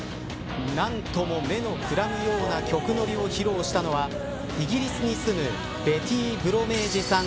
何とも、目のくらむような曲乗りを披露したのはイギリスに住むベティー・ブロメージさん